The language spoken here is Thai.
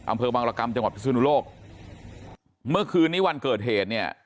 อำเภอบางรกรรมจังหวัดพิศนุโลกเมื่อคืนนี้วันเกิดเหตุเนี่ย